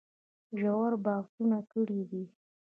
ژور بحثونه کړي دي